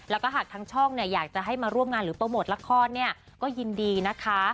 แล้วก็หากทางช่องเนี่ยอยากจะให้มาร่วมงานหรือโปรโมทละครเนี่ยก็ยินดีนะคะ